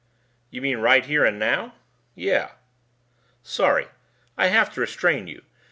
"You mean right here and now?" "Yes." "Sorry. I'd have to restrain you.